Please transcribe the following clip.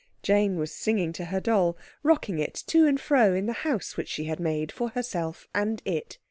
Jane was singing to her doll, rocking it to and fro in the house which she had made for herself and it.